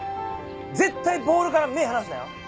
絶対ボールから目離すなよ。